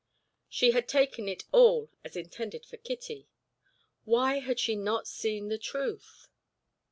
She had taken it all as intended for Kitty; why had they not seen the truth?